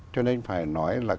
cho nên phải nói là